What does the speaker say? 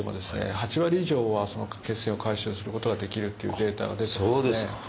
８割以上はその血栓を回収することができるっていうデータが出てますね。